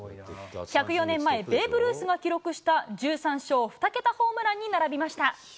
１０４年前、ベーブ・ルースが記録した１３勝２桁ホームランに並びました。